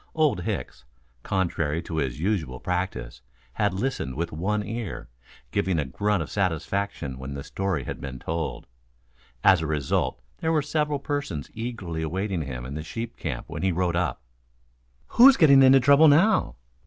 Old Hicks, contrary to his usual practice, had listened with one ear, giving a grunt of satisfaction when the story had been told. As a result there were several persons eagerly awaiting him in the sheep camp when he rode up. "Who's getting into trouble now?"